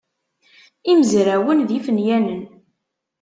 Imezrawen d ifenyanen.